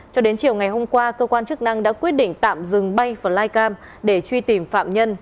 cho đến chiều ngày hôm qua cơ quan chức năng đã quyết định tạm dừng bay flycam để truy tìm phạm nhân